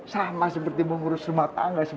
sama seperti mengurus rumah tangga